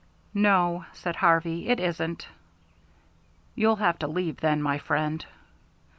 "No," said Harvey, "it isn't." "You'll have to leave, then, my friend."